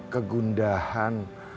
kegundahan dan kegundahan